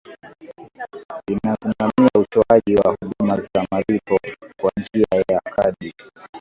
inasimamia utoaji wa huduma za malipo kwa njia ya kadi